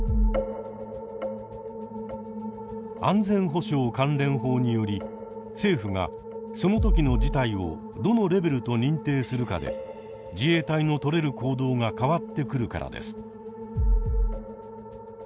安全保障関連法により政府がその時の事態をどのレベルと認定するかで自衛隊の取れる行動が変わってくるからです。